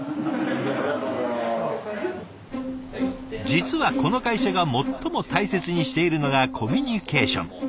実はこの会社が最も大切にしているのがコミュニケーション。